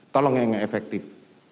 tolong yang efektif